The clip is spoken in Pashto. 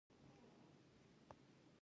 منی د افغانستان د انرژۍ سکتور برخه ده.